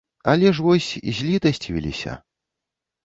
Але ж вось, злітасцівіліся.